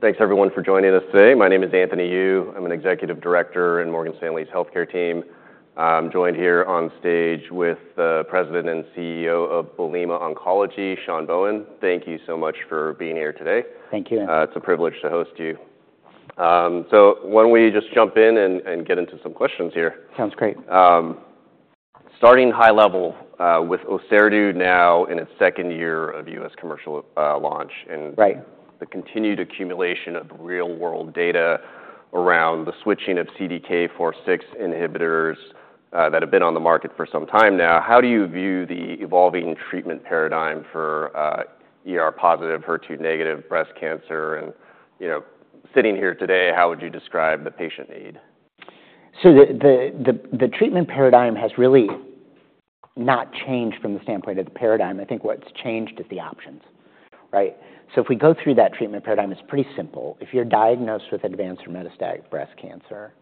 Thanks everyone for joining us today. My name is Anthony Yu. I'm an executive director in Morgan Stanley's healthcare team. I'm joined here on stage with the President and CEO of Olema Oncology, Sean Bohen. Thank you so much for being here today. Thank you. It's a privilege to host you, so why don't we just jump in and get into some questions here? Sounds great. Starting high level, with Orserdu now in its second year of U.S. commercial launch, and- Right The continued accumulation of real-world data around the switching of CDK4/6 inhibitors that have been on the market for some time now, how do you view the evolving treatment paradigm for ER-positive, HER2-negative breast cancer? And, you know, sitting here today, how would you describe the patient need? The treatment paradigm has really not changed from the standpoint of the paradigm. I think what's changed is the options, right? If we go through that treatment paradigm, it's pretty simple. If you're diagnosed with advanced or metastatic breast cancer,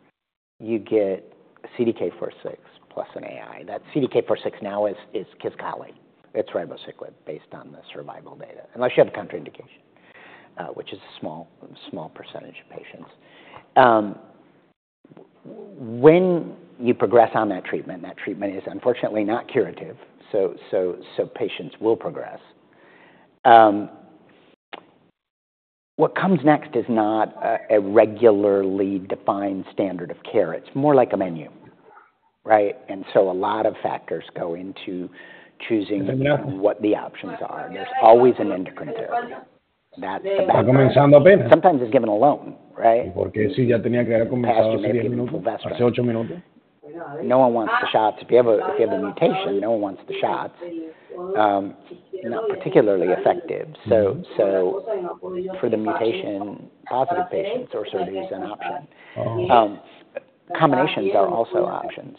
you get CDK4/6 plus an AI. That CDK4/6 now is Kisqali, it's ribociclib, based on the survival data, unless you have a contraindication, which is a small percentage of patients. When you progress on that treatment, that treatment is unfortunately not curative, so patients will progress. What comes next is not a regularly defined standard of care. It's more like a menu, right? A lot of factors go into choosing what the options are, and there's always an endocrine therapy. That's the backbone. Sometimes it's given alone, right? No one wants the shots. If you have a mutation, no one wants the shots. Not particularly effective. Mm-hmm. For the mutation-positive patients, Orserdu, it is an option. Uh-huh. Combinations are also options,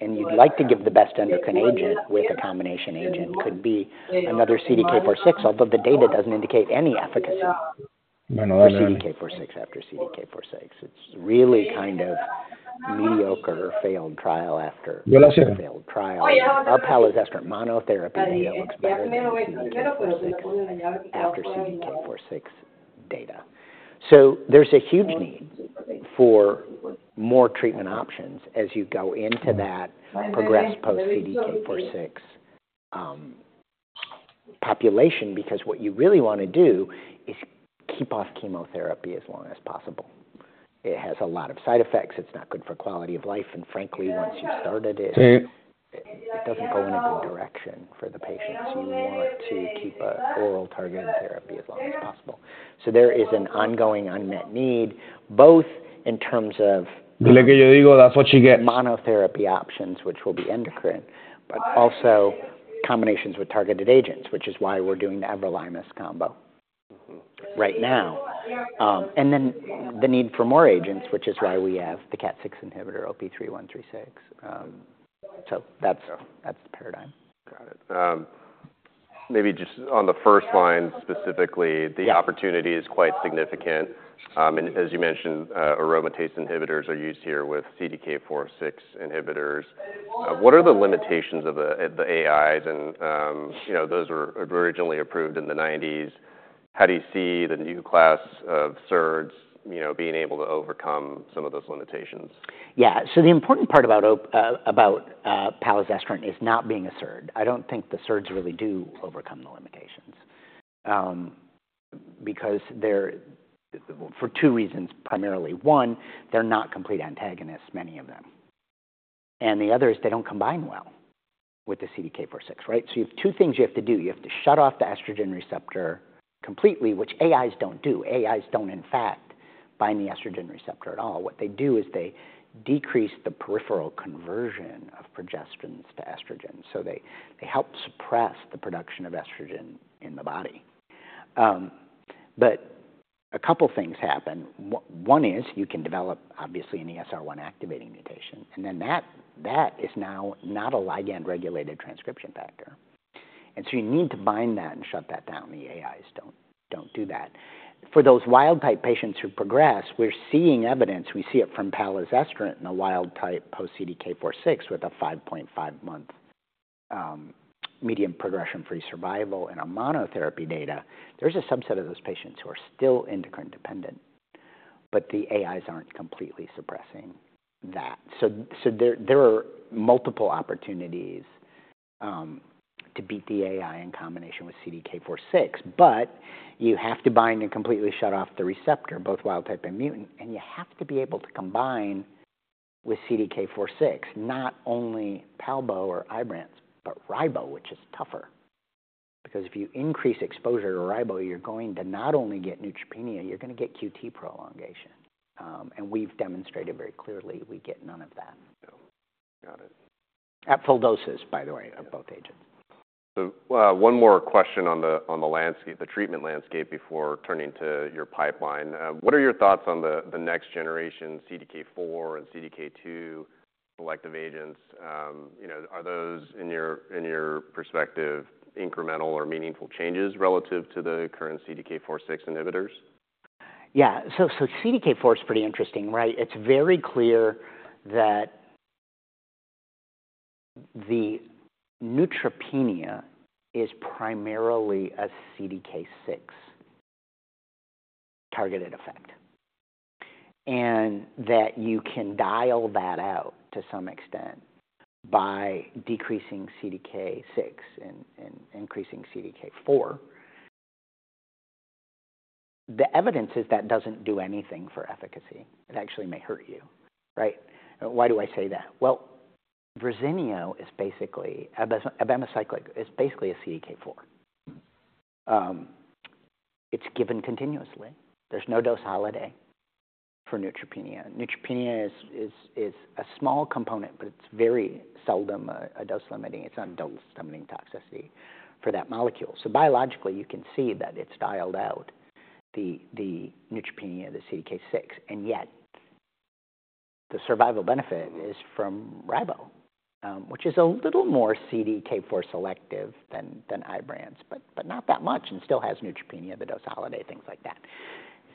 and you'd like to give the best endocrine agent with a combination agent. Could be another CDK4/6, although the data doesn't indicate any efficacy- No, no- for CDK4/6 after CDK4/6. It's really kind of mediocre failed trial after- Yeah... failed trial. Palazestrant monotherapy maybe looks better than CDK4/6 after CDK4/6 data. So there's a huge need for more treatment options as you go into that- Mm-hmm - progressed post-CDK4/6 population, because what you really want to do is keep off chemotherapy as long as possible. It has a lot of side effects. It's not good for quality of life, and frankly, once you've started it- Mm-hmm It doesn't go in a good direction for the patients. You want to keep an oral targeted therapy as long as possible. So there is an ongoing unmet need, both in terms of- That's what you get. ...monotherapy options, which will be endocrine, but also combinations with targeted agents, which is why we're doing the everolimus combo- Mm-hmm right now. And then the need for more agents, which is why we have the KAT6 inhibitor, OP-3136. So that's- Yeah That's the paradigm. Got it. Maybe just on the first line specifically- Yeah The opportunity is quite significant. And as you mentioned, aromatase inhibitors are used here with CDK4/6 inhibitors. What are the limitations of the AIs? And, you know, those were originally approved in the nineties. How do you see the new class of SERDs, you know, being able to overcome some of those limitations? Yeah. So the important part about palazestrant is not being a SERD. I don't think the SERDs really do overcome the limitations because they're for two reasons, primarily. One, they're not complete antagonists, many of them. And the other is they don't combine well with the CDK4/6, right? So you have two things you have to do. You have to shut off the estrogen receptor completely, which AIs don't do. AIs don't, in fact, bind the estrogen receptor at all. What they do is they decrease the peripheral conversion of progestins to estrogen, so they help suppress the production of estrogen in the body. But a couple things happen. One is you can develop, obviously, an ESR1-activating mutation, and then that is now not a ligand-regulated transcription factor. And so you need to bind that and shut that down. The AIs don't do that. For those wild-type patients who progress, we're seeing evidence. We see it from palazestrant in a wild-type post-CDK4/6 with a 5.5-month median progression-free survival. In a monotherapy data, there's a subset of those patients who are still endocrine dependent, but the AIs aren't completely suppressing that. So there are multiple opportunities to beat the AI in combination with CDK4/6, but you have to bind and completely shut off the receptor, both wild-type and mutant, and you have to be able to combine with CDK4/6, not only palbo or Ibrance, but ribo, which is tougher, because if you increase exposure to ribo, you're going to not only get neutropenia, you're gonna get QT prolongation. And we've demonstrated very clearly we get none of that. Got it. At full doses, by the way, of both agents. One more question on the landscape, the treatment landscape, before turning to your pipeline. What are your thoughts on the next generation CDK4 and CDK2 selective agents? You know, are those, in your perspective, incremental or meaningful changes relative to the current CDK4/6 inhibitors? Yeah. So CDK4 is pretty interesting, right? It's very clear that the neutropenia is primarily a CDK6 targeted effect, and that you can dial that out to some extent by decreasing CDK6 and increasing CDK4. The evidence is that doesn't do anything for efficacy. It actually may hurt you, right? Why do I say that? Well, Verzenio is basically abemaciclib, is basically a CDK4. It's given continuously. There's no dose holiday for neutropenia. Neutropenia is a small component, but it's very seldom a dose-limiting. It's not a dose-limiting toxicity for that molecule. So biologically, you can see that it's dialed out the neutropenia, the CDK6, and yet the survival benefit is from Ribo, which is a little more CDK4 selective than Ibrance, but not that much and still has neutropenia, the dose holiday, things like that.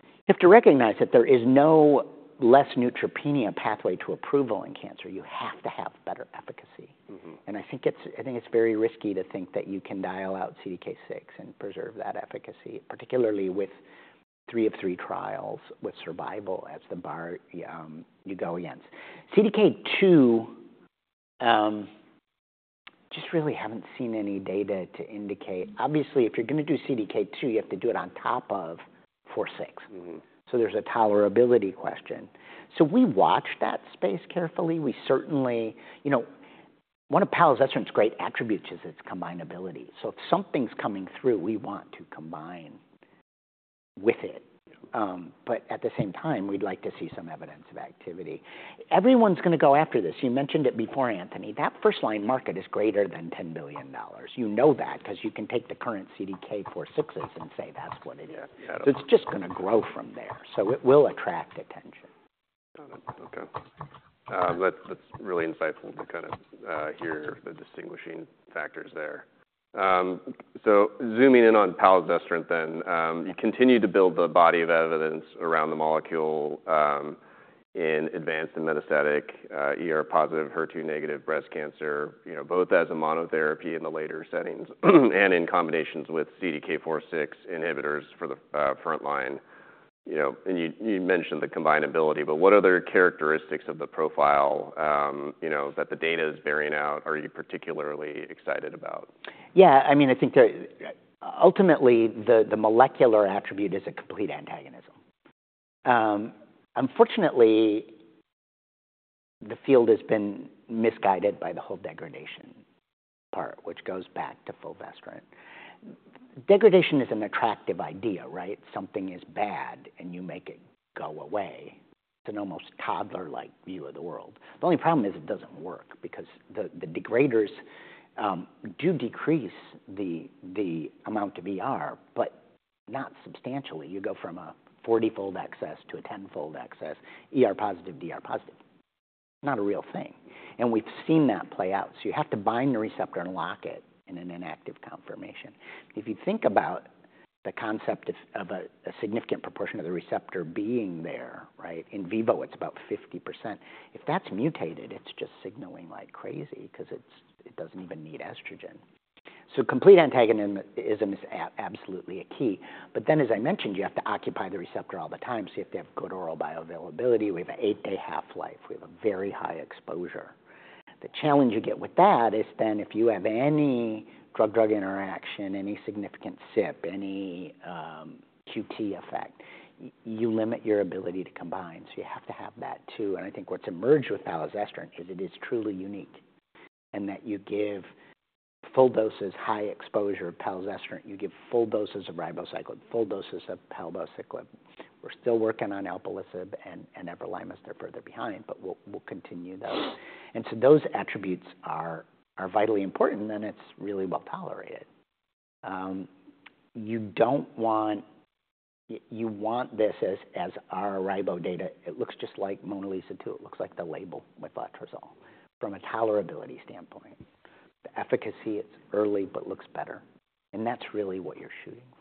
You have to recognize that there is no less neutropenia pathway to approval in cancer. You have to have better efficacy. Mm-hmm. I think it's very risky to think that you can dial out CDK6 and preserve that efficacy, particularly with three of three trials with survival as the bar. You go against CDK2. Just really haven't seen any data to indicate... Obviously, if you're gonna do CDK2, you have to do it on top of 4/6. Mm-hmm. So there's a tolerability question. So we watch that space carefully. We certainly, you know, one of palazestrant's great attributes is its combinability. So if something's coming through, we want to combine with it. But at the same time, we'd like to see some evidence of activity. Everyone's gonna go after this. You mentioned it before, Anthony. That first-line market is greater than $10 billion. You know that 'cause you can take the current CDK4/6s and say that's what it is. Yeah. Yeah. It's just gonna grow from there, so it will attract attention. Got it. Okay. That's really insightful to kind of hear- Sure the distinguishing factors there. So zooming in on palazestrant then, you continue to build the body of evidence around the molecule, in advanced and metastatic, ER-positive, HER2-negative breast cancer, you know, both as a monotherapy in the later settings, and in combinations with CDK4/6 inhibitors for the frontline. You know, and you mentioned the combinability, but what other characteristics of the profile, you know, that the data is bearing out, are you particularly excited about? Yeah, I mean, I think ultimately the molecular attribute is a complete antagonism. Unfortunately, the field has been misguided by the whole degradation part, which goes back to fulvestrant. Degradation is an attractive idea, right? Something is bad, and you make it go away. It's an almost toddler-like view of the world. The only problem is it doesn't work because the degraders do decrease the amount of ER, but not substantially. You go from a 40-fold excess to a 10-fold excess, ER-positive, PR-positive. Not a real thing, and we've seen that play out. So you have to bind the receptor and lock it in an inactive conformation. If you think about the concept of a significant proportion of the receptor being there, right? In vivo, it's about 50%. If that's mutated, it's just signaling like crazy 'cause it doesn't even need estrogen. So complete antagonism is absolutely a key, but then, as I mentioned, you have to occupy the receptor all the time, so you have to have good oral bioavailability. We have an eight-day half-life. We have a very high exposure. The challenge you get with that is then if you have any drug-drug interaction, any significant CYP, any QT effect, you limit your ability to combine, so you have to have that too. And I think what's emerged with palazestrant is it is truly unique, in that you give full doses, high exposure palazestrant. You give full doses of ribociclib, full doses of palbociclib. We're still working on alpelisib and everolimus. They're further behind, but we'll continue those. And so those attributes are vitally important, and then it's really well-tolerated. You don't want... you want this as our Ribo data. It looks just like MONALEESA-2. It looks like the label with letrozole from a tolerability standpoint. The efficacy, it's early, but looks better, and that's really what you're shooting for.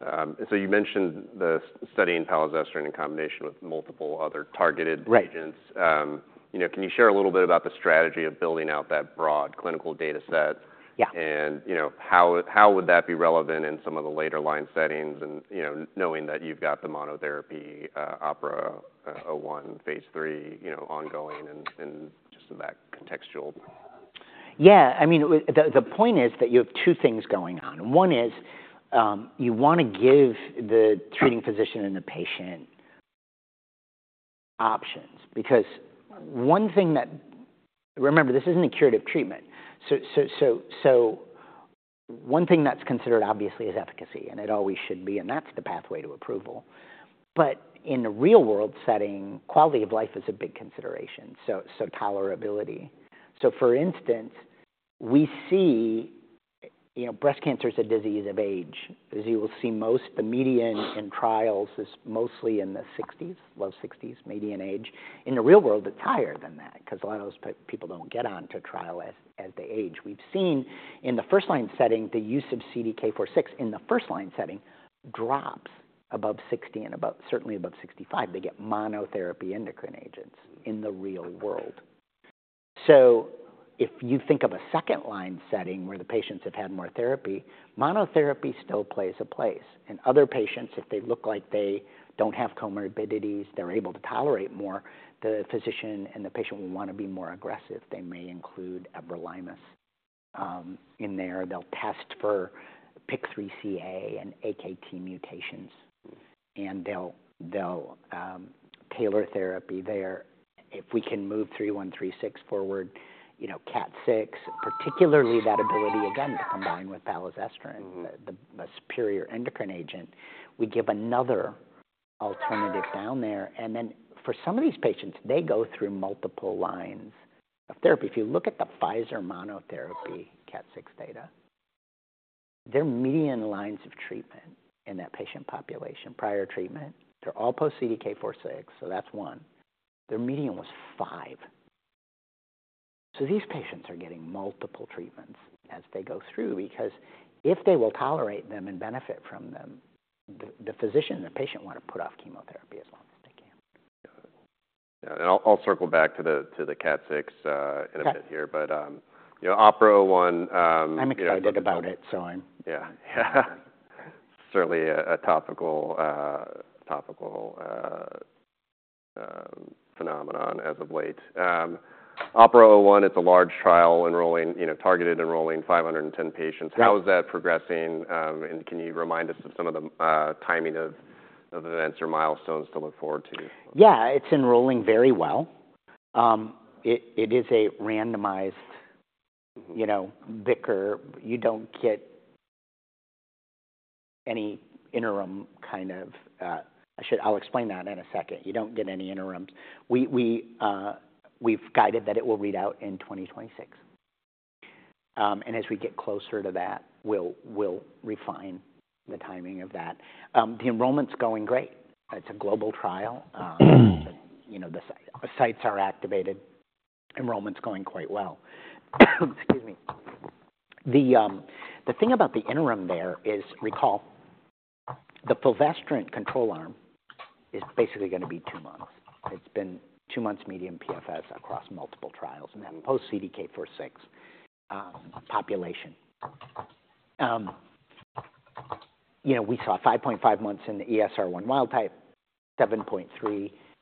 So you mentioned the study in palazestrant in combination with multiple other targeted- Right - agents. You know, can you share a little bit about the strategy of building out that broad clinical data set? Yeah. You know, how would that be relevant in some of the later line settings? You know, knowing that you've got the monotherapy OPERA-01, phase III, you know, ongoing and just so that contextual? Yeah. I mean, the point is that you have two things going on. One is, you wanna give the treating physician and the patient options because one thing that... Remember, this isn't a curative treatment. So one thing that's considered, obviously, is efficacy, and it always should be, and that's the pathway to approval. But in the real-world setting, quality of life is a big consideration, so tolerability. So for instance, we see, you know, breast cancer is a disease of age. As you will see, most the median in trials is mostly in the sixties, low sixties, median age. In the real world, it's higher than that 'cause a lot of those people don't get on to trial as they age. We've seen in the first-line setting, the use of CDK4/6 in the first-line setting drops above 60 and above – certainly above 65. They get monotherapy endocrine agents in the real world. So if you think of a second-line setting where the patients have had more therapy, monotherapy still plays a place. In other patients, if they look like they don't have comorbidities, they're able to tolerate more, the physician and the patient will want to be more aggressive. They may include everolimus in there. They'll test for PIK3CA and AKT mutations, and they'll tailor therapy there. If we can move OP-3136 forward, you know, KAT6, particularly that ability, again, to combine with palazestrant, the superior endocrine agent, we give another alternative down there. And then for some of these patients, they go through multiple lines of therapy. If you look at the Pfizer monotherapy, KAT6 data, their median lines of treatment in that patient population, prior treatment, they're all post CDK4/6, so that's one. Their median was five. So these patients are getting multiple treatments as they go through, because if they will tolerate them and benefit from them, the physician and the patient want to put off chemotherapy as long as they can. Yeah. And I'll circle back to the KAT6 in a bit here. Sure. But you know, OPERA-01, I'm excited about it, so I'm- Yeah. Certainly a topical phenomenon as of late. OPERA-01, it's a large trial enrolling, you know, targeted enrolling 510 patients. Yep. How is that progressing? And can you remind us of some of the timing of events or milestones to look forward to? Yeah, it's enrolling very well. It is a randomized, you know, bigger. You don't get any interim kind of. I'll explain that in a second. You don't get any interims. We've guided that it will read out in 2026. And as we get closer to that, we'll refine the timing of that. The enrollment's going great. It's a global trial. You know, the sites are activated. Enrollment's going quite well. Excuse me. The thing about the interim there is, recall, The fulvestrant control arm is basically gonna be two months. It's been two months median PFS across multiple trials and then post CDK4/6 population. You know, we saw 5.5 months in the ESR1 wild type, 7.3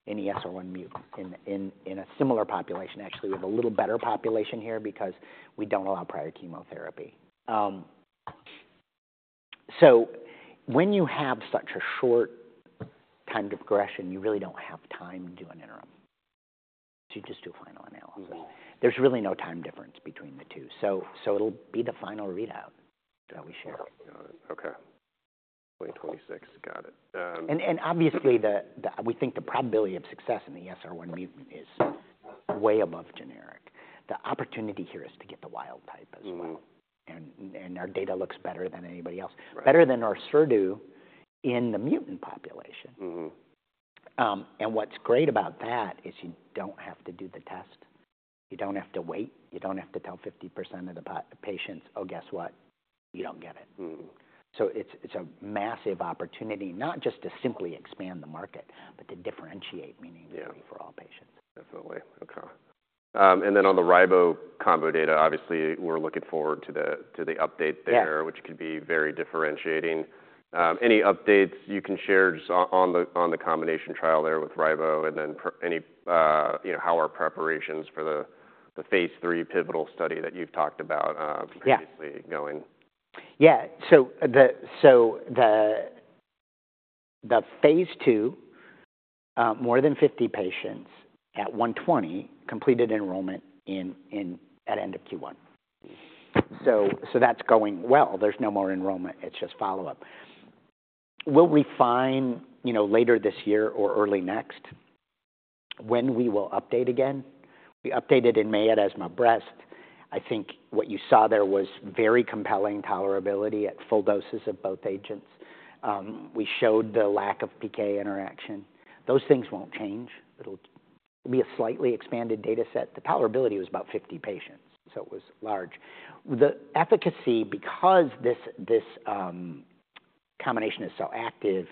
in ESR1 mutant in a similar population. Actually, we have a little better population here because we don't allow prior chemotherapy. So when you have such a short time to progression, you really don't have time to do an interim. So you just do a final analysis. Mm-hmm. There's really no time difference between the two. So, it'll be the final readout that we share. Got it. Okay. 2026, got it. Obviously, we think the probability of success in the ESR1 mutant is way above generic. The opportunity here is to get the wild type as well. Mm-hmm. Our data looks better than anybody else. Right. Better than our Orserdu in the mutant population. Mm-hmm. And what's great about that is you don't have to do the test. You don't have to wait. You don't have to tell 50% of the patients, "Oh, guess what? You don't get it. Mm-hmm. So it's a massive opportunity, not just to simply expand the market, but to differentiate meaningfully- Yeah for all patients. Definitely. Okay. And then on the ribo combo data, obviously, we're looking forward to the update there- Yeah... which could be very differentiating. Any updates you can share just on the combination trial there with ribo and then palazestrant, you know, how are preparations for the phase III pivotal study that you've talked about? Yeah... previously going? Yeah. So the Phase II, more than fifty patients at one twenty completed enrollment at end of Q1. So that's going well. There's no more enrollment. It's just follow-up. We'll refine, you know, later this year or early next when we will update again. We updated in May at ESMO Breast. I think what you saw there was very compelling tolerability at full doses of both agents. We showed the lack of PK interaction. Those things won't change. It'll be a slightly expanded data set. The tolerability was about fifty patients, so it was large. The efficacy, because this combination is so active,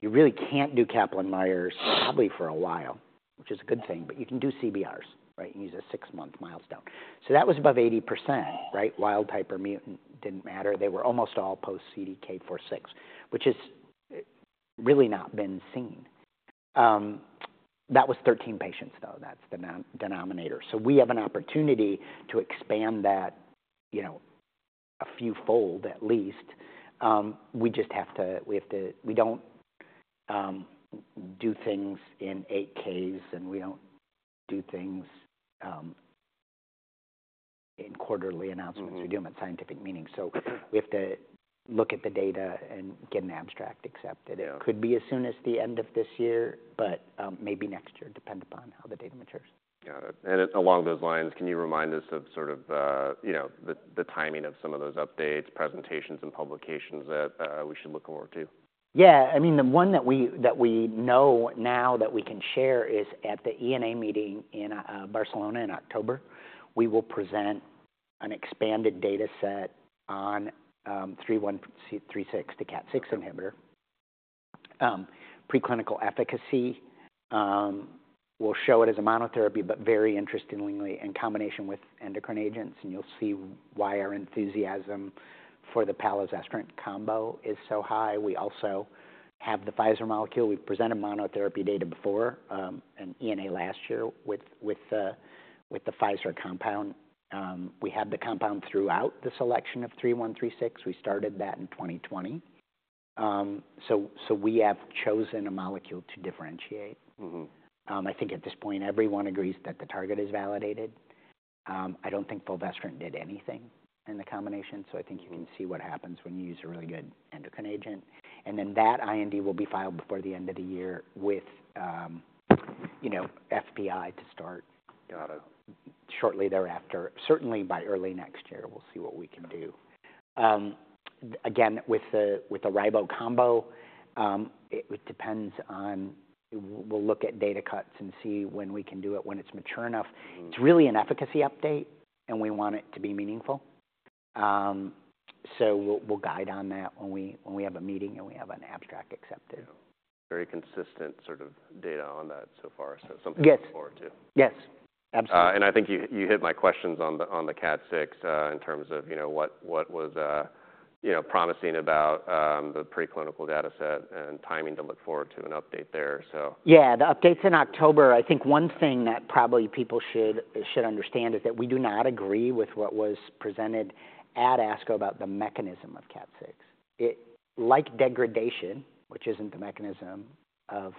you really can't do Kaplan-Meier, probably for a while, which is a good thing, but you can do CBRs, right? Use a six-month milestone. So that was above 80%, right? Wild type or mutant, didn't matter. They were almost all post CDK4/6, which is really not been seen. That was 13 patients, though. That's the denominator. So we have an opportunity to expand that, you know, a fewfold at least. We just have to. We have to- we don't do things in 8-Ks, and we don't do things in quarterly announcements. Mm-hmm. We do them at scientific meetings, so we have to look at the data and get an abstract accepted. Yeah. It could be as soon as the end of this year, but, maybe next year, depend upon how the data matures. Got it. And along those lines, can you remind us of sort of, you know, the timing of some of those updates, presentations, and publications that we should look forward to? Yeah. I mean, the one that we know now that we can share is at the ENA meeting in Barcelona in October. We will present an expanded data set on OP-3136, the KAT6 inhibitor. Preclinical efficacy, we'll show it as a monotherapy, but very interestingly, in combination with endocrine agents, and you'll see why our enthusiasm for the palazestrant combo is so high. We also have the Pfizer molecule. We've presented monotherapy data before in ENA last year with the Pfizer compound. We had the compound throughout the selection of OP-3136. We started that in 2020. So, we have chosen a molecule to differentiate. Mm-hmm. I think at this point, everyone agrees that the target is validated. I don't think fulvestrant did anything in the combination, so I think you can see what happens when you use a really good endocrine agent, and then that IND will be filed before the end of the year with FDA to start- Got it. Shortly thereafter. Certainly, by early next year, we'll see what we can do. Again, with the Ribo combo, it depends on. We'll look at data cuts and see when we can do it, when it's mature enough. Mm. It's really an efficacy update, and we want it to be meaningful. So we'll guide on that when we have a meeting, and we have an abstract accepted. Very consistent sort of data on that so far. Yes. So something to look forward to. Yes, absolutely. And I think you hit my questions on the KAT6 in terms of, you know, what was, you know, promising about the preclinical data set and timing to look forward to an update there, so. Yeah, the update's in October. I think one thing that probably people should understand is that we do not agree with what was presented at ASCO about the mechanism of KAT6. It, like degradation, which isn't the mechanism of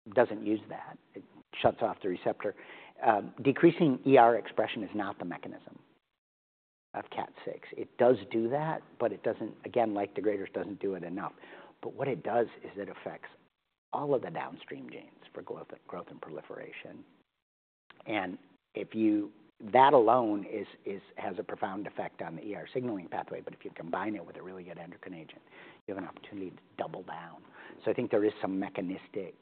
CERAN, doesn't use that. It shuts off the receptor. Decreasing ER expression is not the mechanism of KAT6. It does do that, but it doesn't again, like degraders, doesn't do it enough. But what it does is it affects all of the downstream genes for growth and proliferation. That alone has a profound effect on the ER signaling pathway, but if you combine it with a really good endocrine agent, you have an opportunity to double down. So I think there is some mechanistic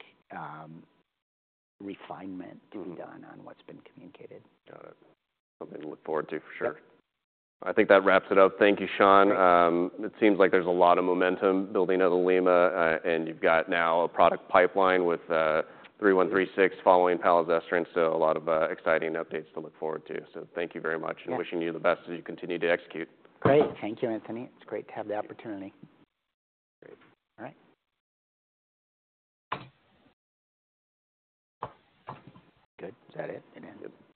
refinement- Mm-hmm... to be done on what's been communicated. Got it. Something to look forward to, for sure. Yep. I think that wraps it up. Thank you, Sean. Great. It seems like there's a lot of momentum building at Olema, and you've got now a product pipeline with OP-3136 following palazestrant, so a lot of exciting updates to look forward to. So thank you very much- Yeah. and wishing you the best as you continue to execute. Great. Thank you, Anthony. It's great to have the opportunity. Great. All right. Good. Is that it? It ended. All right.